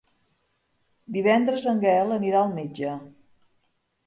Divendres en Gaël anirà al metge.